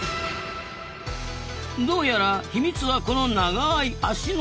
どうやら秘密はこの長い足の指。